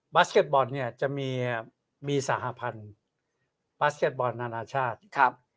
สเก็ตบอลเนี่ยจะมีมีสหพันธุ์บาสเก็ตบอลนานาชาติครับ